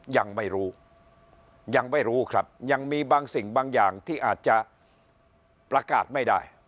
ยังไม่รู้ยังไม่รู้ครับยังมีบางสิ่งบางอย่างที่อาจจะประกาศไม่ได้